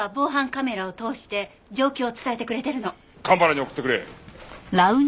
蒲原に送ってくれ。